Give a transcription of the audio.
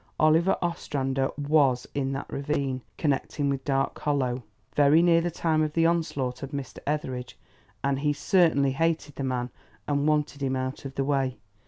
Oliver Ostrander WAS in that ravine connecting with Dark Hollow, very near the time of the onslaught on Mr. Etheridge; and he certainly hated the man and wanted him out of the way.